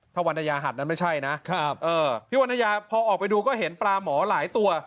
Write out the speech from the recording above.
ถ้าวันอายาหัดนั้นไม่ใช่นะครับเออพี่วันยาพอออกไปดูก็เห็นปลาหมอหลายตัว